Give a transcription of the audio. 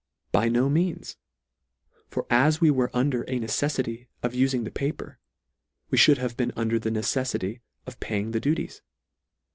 By no means: For as we were under a neceflity of uling the paper, we Ihould have been under the neceffity of paying the duties.